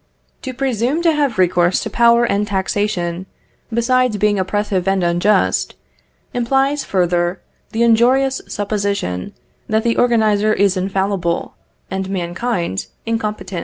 To presume to have recourse to power and taxation, besides being oppressive and unjust, implies further, the injurious supposition that the organiser is infallible, and mankind incompetent.